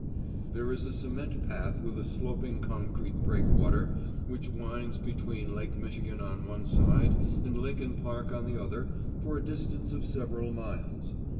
There is a cement path with a sloping concrete breakwater which winds between Lake Michigan on one side and Lincoln Park on the other for a distance of several miles.